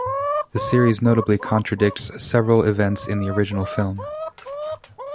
The series notably contradicts several events in the original film.